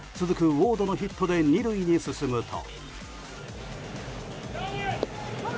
ウォードのヒットで２塁に進むと。